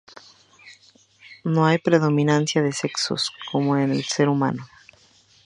No hay predominancia de sexos, como en el ser humano.